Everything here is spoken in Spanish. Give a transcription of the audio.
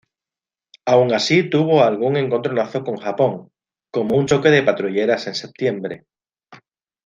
Aun así tuvo algún encontronazo con Japón, como un choque de patrulleras en Septiembre.